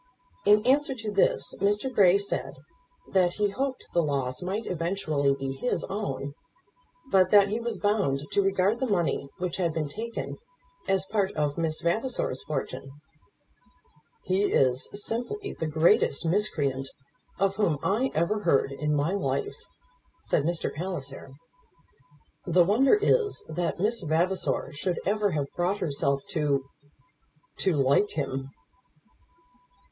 In answer to this Mr. Grey said that he hoped the loss might eventually be his own; but that he was bound to regard the money which had been taken as part of Miss Vavasor's fortune. "He is simply the greatest miscreant of whom I ever heard in my life," said Mr. Palliser. "The wonder is that Miss Vavasor should ever have brought herself to to like him."